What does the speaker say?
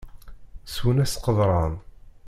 Swen-as qeḍṛan.